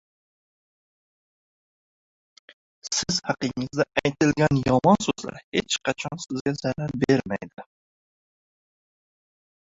Siz haqingizda aytilgan yomon so‘zlar hech qachon sizga zarar bermaydi.